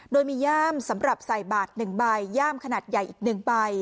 โดยมีย่ามสำหรับใส่บาตรหนึ่งใบย่ามขนาดใหญ่อีกหนึ่งใบ